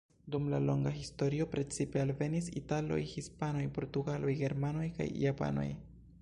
Dum la longa historio precipe alvenis italoj, hispanoj, portugaloj, germanoj kaj japanoj.